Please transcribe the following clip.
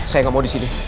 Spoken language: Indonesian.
saya gak mau disini